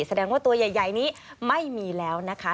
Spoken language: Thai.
แสดงว่าตัวใหญ่นี้ไม่มีแล้วนะคะ